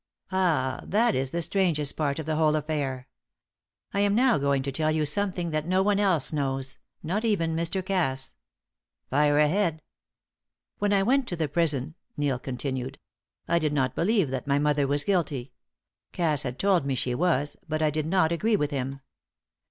"Ah, that is the strangest part of the whole affair! I am now going to tell you something that no one else knows not even Mr. Cass." "Fire ahead!" "When I went to the prison," Neil continued, "I did not believe that my mother was guilty. Cass had told me she was but I did not agree with him.